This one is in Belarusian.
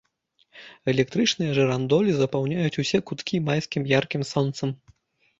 Электрычныя жырандолі запаўняюць усе куткі майскім яркім сонцам.